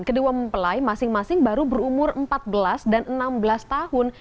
kedua mempelai masing masing baru berumur empat belas dan enam belas tahun